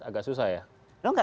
agak susah ya